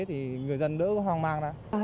thì người dân đỡ hoang mang ra